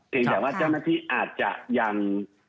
แต่ว่าเจ้าหน้าที่อาจจะยัง